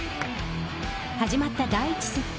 始まった第１セット